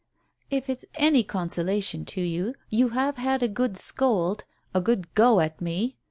" If it's any consolation to you, you have had a good scold — a good go at me